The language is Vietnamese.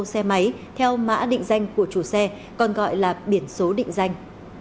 xe máy theo mã định danh của chủ xe còn gọi là biển số định danh